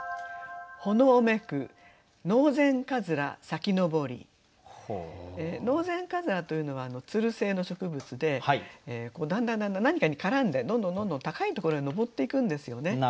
「のうぜんかづら」というのはつる性の植物でだんだんだんだん何かに絡んでどんどんどんどん高いところに上っていくんですよね。